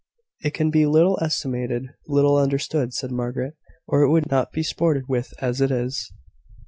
"It can be little estimated little understood," said Margaret, "or it would not be sported with as it is."